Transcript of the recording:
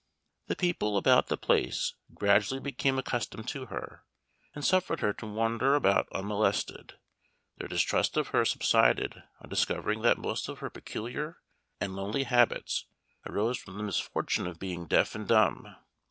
The people about the place gradually became accustomed to her, and suffered her to wander about unmolested; their distrust of her subsided on discovering that most of her peculiar and lonely habits arose from the misfortune of being deaf and dumb.